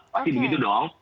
pasti begitu dong